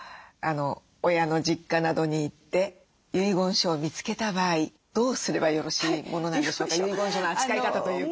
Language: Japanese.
親の実家などに行って遺言書を見つけた場合どうすればよろしいものなんでしょうか。